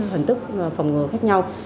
hình thức phòng ngừa khác nhau